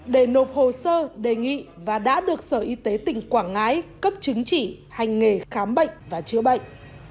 để nộp hồ sơ đề nghị và đã được sở y tế tỉnh quảng ngãi cấp chứng chỉ hành nghề khám bệnh và chữa bệnh